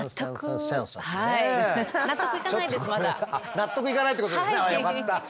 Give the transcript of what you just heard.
納得いかないってことですね。